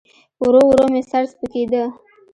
ورو ورو مې سر سپکېده.